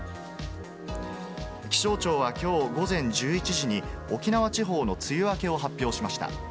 気象庁はきょう午前１１時に、沖縄地方の梅雨明けを発表しました。